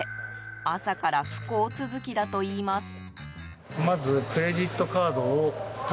朝から不幸続きだといいます。